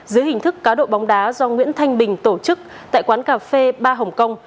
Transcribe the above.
dưới hình thức cá độ bóng đá do nguyễn thanh bình tổ chức tại quán cà phê ba hồng kông